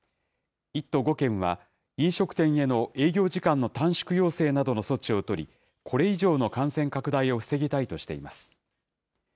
１都５県は、飲食店への営業時間の短縮要請などの措置を取り、これ以上の感染拡大を防ぎたいとしています。